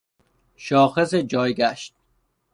شاخص جایگشت